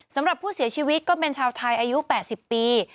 สำหรับผู้เสียชีวิตก็เป็นชาวไทยอายุ๘๐ปี